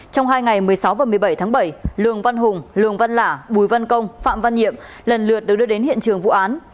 trong hai ngày một mươi sáu và một mươi bảy tháng bảy lường văn hùng lường văn lả bùi văn công phạm văn nhiệm lần lượt được đưa đến hiện trường vụ án